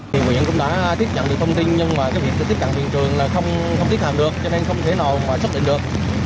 huyện cũng đã tiếp nhận được thông tin nhưng tiếp cận hiện trường là không tiếp cận được cho nên không thể nào xác định được